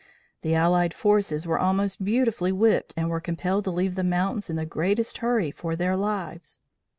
The allied forces were most beautifully whipped and were compelled to leave the mountains in the greatest hurry for their lives.